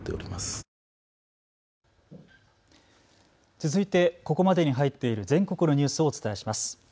続いて、ここまでに入っている全国のニュースをお伝えします。